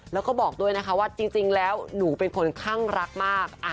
แล้วก็บอกด้วยนะคะว่าจริงแล้วหนูเป็นคนข้างรักมาก